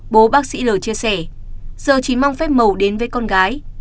bố bác sĩ l chia sẻ giờ chỉ mong phép mầu đến với con gái